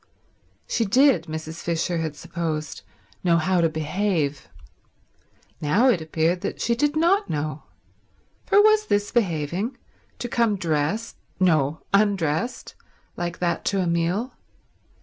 She did, Mrs. Fisher had supposed, know how to behave. Now it appeared that she did not know, for was this behaving, to come dressed—no, undressed—like that to a meal?